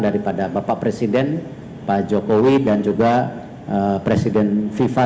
daripada bapak presiden pak jokowi dan juga presiden fifa